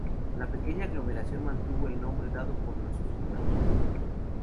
La pequeña aglomeración mantuvo el nombre dado por los sus fundadores.